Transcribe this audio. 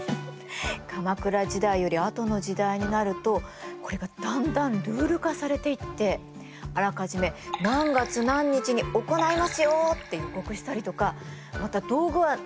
鎌倉時代よりあとの時代になるとこれがだんだんルール化されていってあらかじめ何月何日に行いますよって予告したりとかまた道具は何を使いますよって通告したりしたんだって。